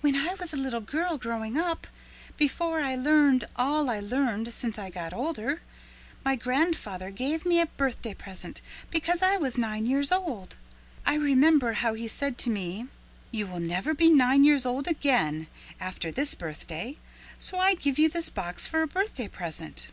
"When I was a little girl growing up, before I learned all I learned since I got older, my grandfather gave me a birthday present because I was nine years old. I remember how he said to me, 'You will never be nine years old again after this birthday, so I give you this box for a birthday present.'